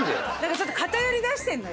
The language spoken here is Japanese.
ちょっと偏りだしてんのよ。